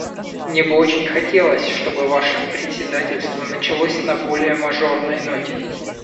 Мне бы очень хотелось, чтобы Ваше председательство началось на более мажорной ноте.